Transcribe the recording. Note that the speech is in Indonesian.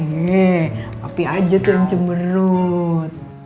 yee papi aja tuh yang cemerut